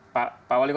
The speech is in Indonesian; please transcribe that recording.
masih belum mendengar